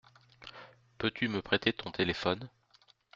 Peux-tu me prêter ton téléphone ?